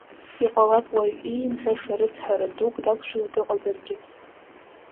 Иҟалап уаҩ иимҳәаша рыцҳара дук дақәшәаны дыҟазаргьы.